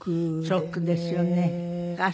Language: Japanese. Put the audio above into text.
ショックですよね。